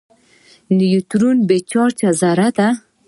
نیوټرون بې چارجه ذره ده.